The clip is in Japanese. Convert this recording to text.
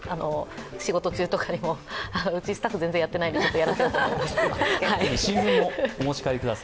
仕事中とかにも、うち、スタッフ全然やってないのでやらせようと思います。